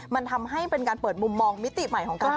มันทำให้เป็นการเปิดมุมมองมิติใหม่ของการ